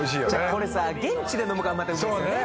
これさ現地で飲むからまたうまいですよね